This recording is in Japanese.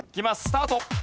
スタート！